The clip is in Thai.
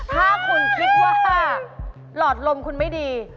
ถ้าคุณคิดว่าหลอดลมคุณไม่ดี